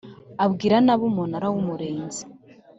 abwira nabi Umunara w Umurinzi